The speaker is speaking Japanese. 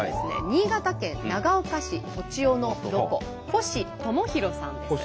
新潟県長岡市栃尾のロコ星知弘さんです。